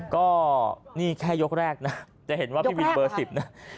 ก็นี่แค่ยกแรกนะจะเห็นว่าพี่วินเบอร์๑๐นะ